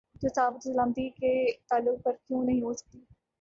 تو صحافت اور سلامتی کے تعلق پر کیوں نہیں ہو سکتی؟